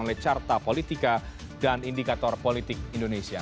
oleh carta politika dan indikator politik indonesia